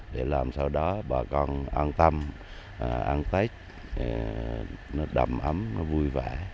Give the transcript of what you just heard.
để làm sau đó bà con an tâm an tích nó đậm ấm nó vui vẻ